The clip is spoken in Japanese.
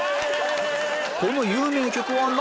この有名曲は何？